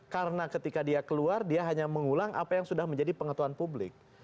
karena ketika dia keluar dia hanya mengulang apa yang sudah menjadi pengetahuan publik